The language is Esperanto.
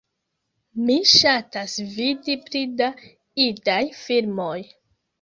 Mi ŝatas vidi pli da idaj filmoj